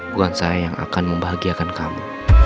bukan saya yang akan membahagiakan kamu